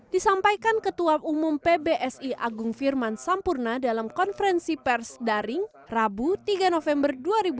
disampaikan ketua umum pbsi agung firman sampurna dalam konferensi pers daring rabu tiga november dua ribu dua puluh